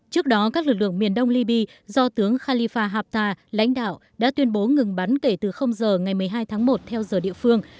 trước đó các lực lượng miền đông libya do tướng khalifa haftar lãnh đạo đã tuyên bố ngừng bắn kể từ giờ ngày một mươi hai tháng một theo giờ địa phương